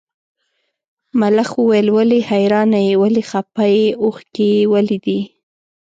ملخ وویل ولې حیرانه یې ولې خپه یې اوښکي ولې دي.